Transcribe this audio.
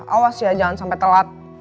awas ya jangan sampai telat